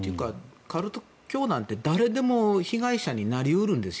カルト教団って誰でも被害者になり得るんです。